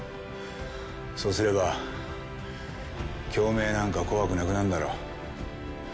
そうすれば京明なんか怖くなくなるだろ。